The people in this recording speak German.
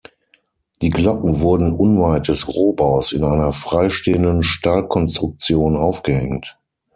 Die Glocken wurden unweit des Rohbaus in einer freistehenden Stahlkonstruktion aufgehängt.